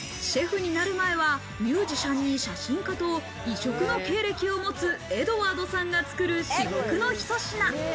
シェフになる前はミュージシャンに写真家と異色の経歴を持つエドワードさんが作る至極のひと品。